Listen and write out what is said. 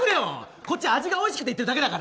こっちは味がおいしくて言ってるだけだから。